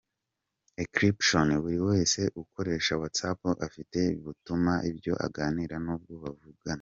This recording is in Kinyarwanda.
encryption buri wese ukoresha Whatsapp afite butuma ibyo aganira n’uwo bavugana